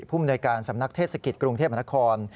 มนวยการสำนักเทศกิจกรุงเทพมนาคม